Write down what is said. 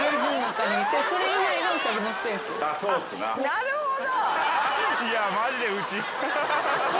なるほど。